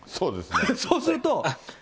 そうすると。